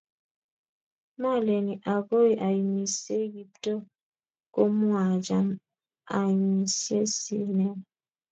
maleni agoi iamisie Kiptoo, kamuacham iamisie sinen